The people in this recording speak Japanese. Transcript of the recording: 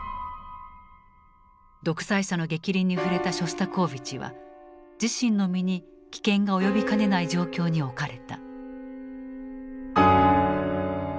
独裁者の逆鱗に触れたショスタコーヴィチは自身の身に危険が及びかねない状況に置かれた。